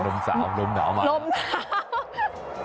ลมสาวลมหนาวมาก